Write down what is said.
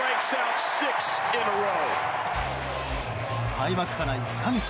開幕から１か月。